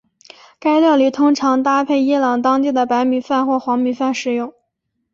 该料理通常搭配伊朗当地的白米饭或黄米饭食用。